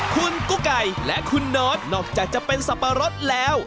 คุณกุ๊กไก่และคุณโน๊ตนอกจากจะเป็นสับปะรดแล้ว